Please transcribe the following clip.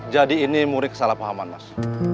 jadi ini murid kesalahpahaman mas